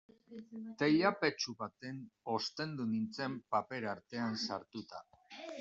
Teilapetxu batean ostendu nintzen, paper artean sartuta.